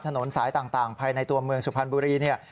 ถนนสายต่างภายในตัวเมืองสุพรรณบุรีเนี่ย